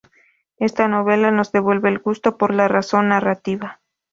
Esta novela nos devuelve el gusto por la razón narrativa.